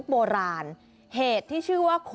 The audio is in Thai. คุกขี้ไก่ตั้งอยู่ในพิธภัณฑ์ท้องถิ่นเมืองมีนบุรีนะ